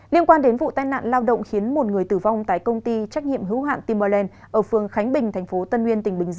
liên quan đến vụ tai nạn lao động khiến một người tử vong tại công ty trách nhiệm hữu hạn timberland